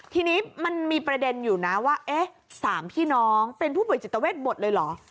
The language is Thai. ทีนี้มันมีประเด็นอยู่นะว่าเอ๊ะ๓พี่น้องเป็นผู้ป่วยจิตเวทหมดเลยเหรอ